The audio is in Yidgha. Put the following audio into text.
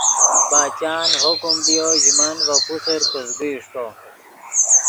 باچان حکم لیو ژے من ڤے پوسر پزگے اݰٹو